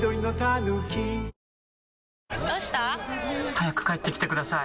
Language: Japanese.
早く帰ってきてください。